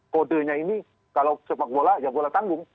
kodenya ini kalau sepak bola ya bola tanggung